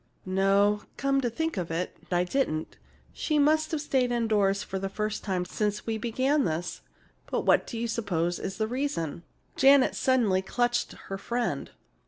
"No, come to think of it, I didn't. She must have stayed indoors for the first time since we began this. But what do you suppose is the reason?" Janet suddenly clutched her friend.